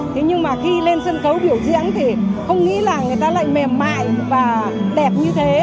thế nhưng mà khi lên sân khấu biểu diễn thì không nghĩ là người ta lại mềm mại và đẹp như thế